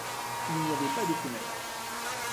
Il n'y avait pas de fenêtre.